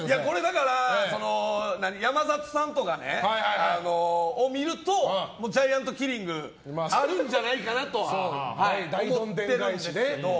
だから、山里さんとかを見るとジャイアントキリングあるんじゃないかとは大どんでん返しね。